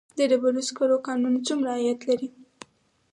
د ډبرو سکرو کانونه څومره عاید لري؟